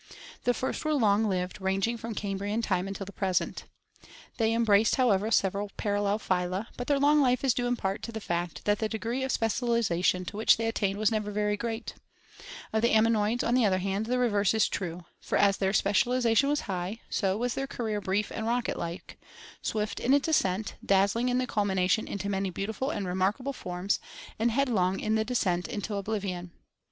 The first were long lived, ranging from Cambrian time until the present. They embraced, however, several par allel phyla, but their long life is due in part to the fact that the ^jTihdL (From degree of specialization to which Sdiucbert'sfliiwri they attained was never very «/ Cah,a.) great of the ammonoids, on the other hand, the reverse is true, for as their special ization was high, so was their career brief and rocket like — swift in its ascent, dazzling in the culmination into many beautiful and remarkable forms, and headlong in the descent into oblivion.